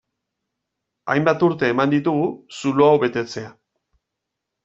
Hainbat urte eman ditugu zulo hau betetzea.